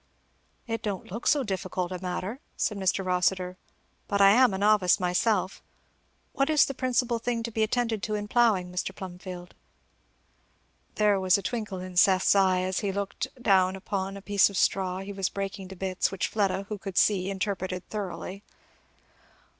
"It don't look so difficult a matter," said Mr. Rossitur, "but I am a novice myself. What is the principal thing to be attended to in ploughing, Mr. Plumfield?" There was a twinkle in Seth's eye, as he looked down upon a piece of straw he was breaking to bits, which Fleda, who could see, interpreted thoroughly.